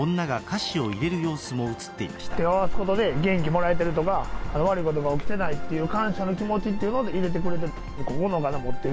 手を合わせることで元気がもらえるとか、悪いことが起きていないということで、感謝の気持ちっていうので入れてくれている。